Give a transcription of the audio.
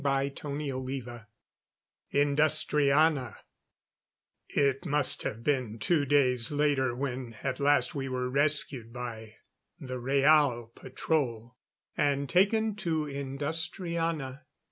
CHAPTER XXXI Industriana It must have been two days later when at last we were rescued by the Rhaal patrol and taken to Industriana.